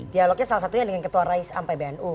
dialognya salah satunya dengan ketua rais ampe bnu